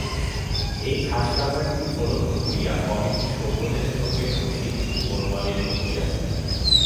এই খাসকামরাটি উপলক্ষ করিয়া কমিটির সভ্যদের সঙ্গে শশীর একটু মনোমালিন্য হইয়াছিল।